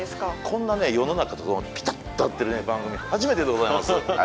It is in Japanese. こんなね世の中とピタッと合ってる番組初めてでございます。